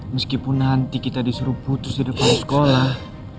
meskipun nanti kita disuruh putus di depan sekolah